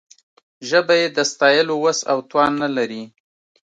ژبه یې د ستایلو وس او توان نه لري.